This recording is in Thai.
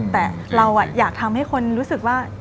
แต่เราอยากทำให้คนรู้สึกว่า